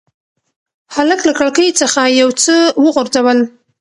هلک له کړکۍ څخه یو څه وغورځول.